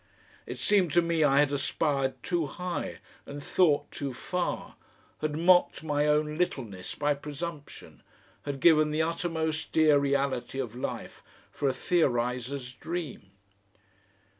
It seemed to me I had aspired too high and thought too far, had mocked my own littleness by presumption, had given the uttermost dear reality of life for a theoriser's dream.